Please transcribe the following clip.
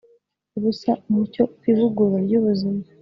ubusa umucyo ku ivugurura ryubuzima